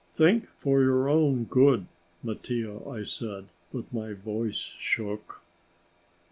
"Think for your own good, Mattia," I said, but my voice shook.